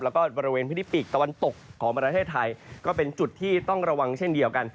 แล้วก็บริเวณพื้นที่ปีกตะวันตกของประเทศไทยก็เป็นจุดที่ต้องระวังเช่นเดียวกัน